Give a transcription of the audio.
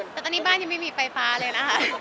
แต่ตอนนี้บ้านยังไม่มีไฟฟ้าเลยนะคะ